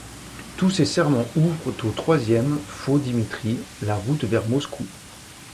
Tous ces serments ouvrent au Troisième faux Dimitri la route vers Moscou.